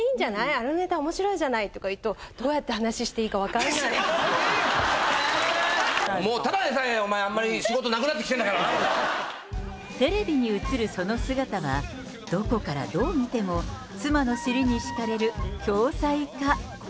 あのネタおもしろいじゃないとかって言うと、どうやって話していもうただでさえお前、あんまテレビに映るその姿は、どこからどう見ても、妻の尻に敷かれる恐妻家。